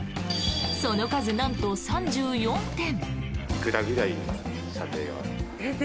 その数、なんと３４点。